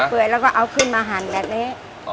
เปื่อยแล้วก็เอาขึ้นมาหั่นแบบนี้